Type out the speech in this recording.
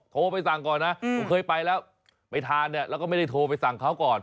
โทรไปสั่งก่อนนะผมเคยไปแล้วไปทานเนี่ยแล้วก็ไม่ได้โทรไปสั่งเขาก่อน